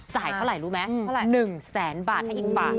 จ่ายเท่าไหร่รู้ไหม๑แสนบาทให้อีกบาท